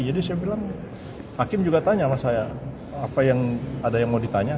jadi saya bilang hakim juga tanya sama saya apa yang ada yang mau ditanya